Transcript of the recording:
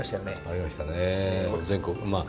ありましたね。